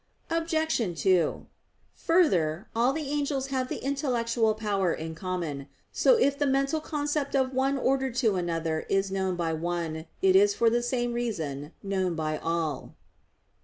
Obj. 2: Further, all the angels have the intellectual power in common. So if the mental concept of one ordered to another is known by one, it is for the same reason known by all.